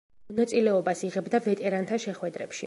მონაწილეობას იღებდა ვეტერანთა შეხვედრებში.